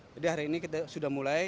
jadi hari ini kita sudah mulai